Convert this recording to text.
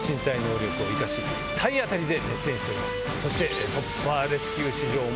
そして。